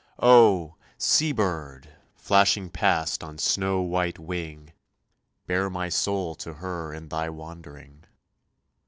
Oh! sea bird, flashing past on snow white wing, Bear my soul to her in thy wandering.